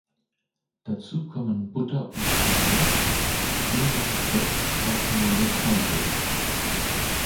Dazu kommen Butter und Eier, je nach Rezept auch nur das Eigelb.